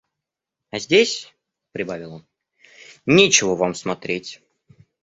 «А здесь, – прибавил он, – нечего вам смотреть».